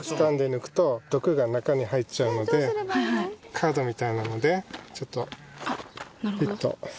カードみたいなのでちょっとピッと。